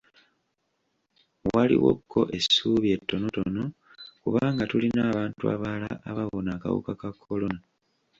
Waliwoko essuubi ettonotono kubanga tulina abantu abalala abawona akawuka ka kolona.